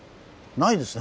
ないですね。